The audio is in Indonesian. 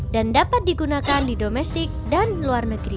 dapat digunakan di domestik dan luar negeri